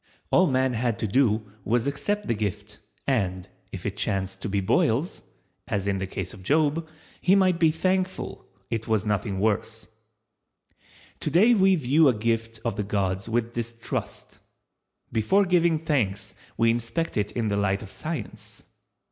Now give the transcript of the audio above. All man had to do was to accept the gift, and, if it chanced to be boils, as in the case of Job, he might be thankful it was nothing worse. Today we view a gift of the gods with distrust. Before giving thanks we inspect it in the light of Science.